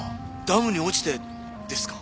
ダムに落ちてですか？